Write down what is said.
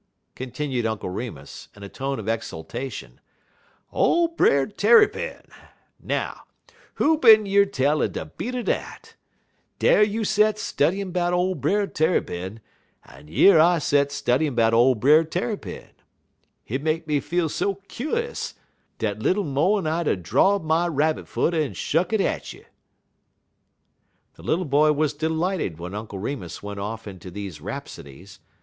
continued Uncle Remus in a tone of exultation. "Ole Brer Tarrypin! Now, who bin year tell er de beat er dat? Dar you sets studyin' 'bout ole Brer Tarrypin, en yer I sets studyin' 'bout ole Brer Tarrypin. Hit make me feel so kuse dat little mo' en I'd 'a' draw'd my Rabbit foot en shuck it at you." The little boy was delighted when Uncle Remus went off into these rhapsodies.